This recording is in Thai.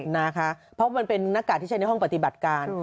นะคะเพราะมันเป็นหน้ากากที่ใช้ในห้องปฏิบัติการ